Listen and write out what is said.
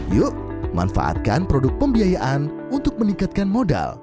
yuk manfaatkan produk pembiayaan untuk meningkatkan modal